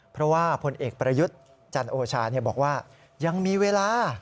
เพราะว่าผลเอกประยุทธ์จันโอชาบอกว่ายังมีเวลา